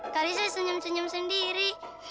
kak alisa senyum senyum sendiri